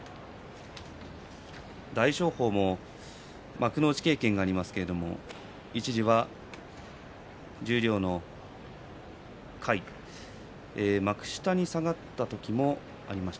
大翔鵬も幕内経験がありますけれども一時は十両の下位幕下に下がった時もありました。